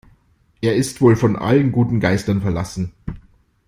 Er ist wohl von allen guten Geistern verlassen.